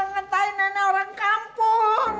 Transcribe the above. dia udah ngetahin nanya orang kampung